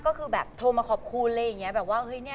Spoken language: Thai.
ก็ก็คือแบบโทรมาขอบคุณอะไรอย่างงี้